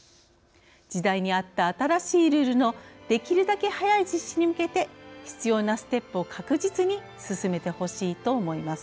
時代にあった新しいルールのできるだけ早い実施に向けて必要なステップを確実に進めてほしいと思います。